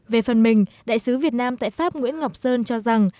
về phần mình đại sứ việt nam tại pháp nguyễn ngọc sơn cho rằng